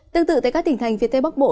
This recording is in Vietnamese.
tương tự tại các tỉnh thành phía tây bắc bộ